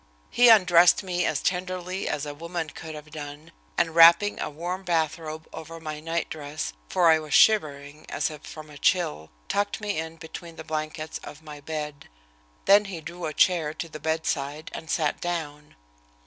He undressed me as tenderly as a woman could have done, and, wrapping a warm bathrobe over my nightdress, for I was shivering as if from a chill, tucked me in between the blankets of my bed. Then he drew a chair to the bedside and sat down.